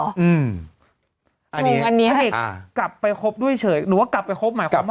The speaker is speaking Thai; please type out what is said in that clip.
อันนี้ให้กลับไปคบด้วยเฉยหนูว่ากลับไปคบหมายความว่า